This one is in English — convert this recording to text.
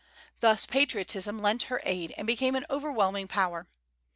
Thus patriotism lent her aid, and became an overwhelming power.